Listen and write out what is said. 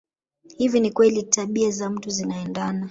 Hivi ni kweli tabia za mtu zinaendana